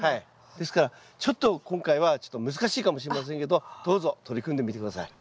ですからちょっと今回はちょっと難しいかもしれませんけどどうぞ取り組んでみて下さい。